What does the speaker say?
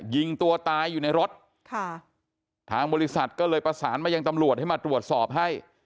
ยิงตัวตายอยู่ในรถค่ะทางบริษัทก็เลยประสานมายังตำรวจให้มาตรวจสอบให้